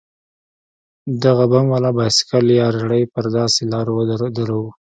دغه بم والا بايسېکل يا رېړۍ پر داسې لارو دروو.